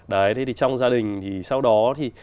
đấy thì trong gia đình thì sau đó thì